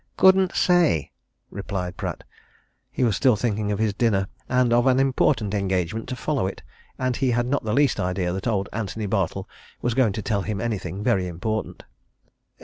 "Couldn't say," replied Pratt. He was still thinking of his dinner, and of an important engagement to follow it, and he had not the least idea that old Antony Bartle was going to tell him anything very important.